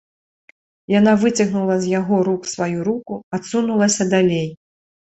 Яна выцягнула з яго рук сваю руку, адсунулася далей.